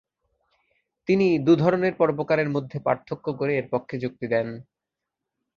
তিনি দু'ধরনের পরোপকারের মধ্যে পার্থক্য করে এর পক্ষে যুক্তি দেন।